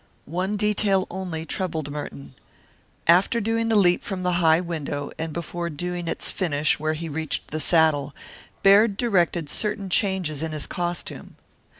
One detail only troubled Merton. After doing the leap from the high window, and before doing its finish where he reached the saddle, Baird directed certain changes in his costume.